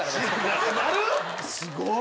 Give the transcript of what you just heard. すごい！